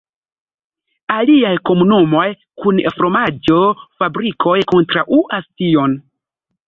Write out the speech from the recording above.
Aliaj komunumoj kun fromaĝo-fabrikoj kontraŭas tion.